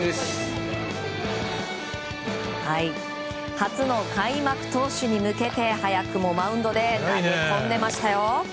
初の開幕投手に向けて早くもマウンドで投げ込んでいましたよ。